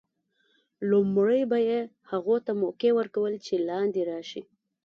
لومړی به یې هغو ته موقع ور کول چې لاندې راشي.